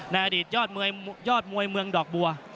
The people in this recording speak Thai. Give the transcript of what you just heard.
ในอดีตยอดมวยเมืองดอกบัว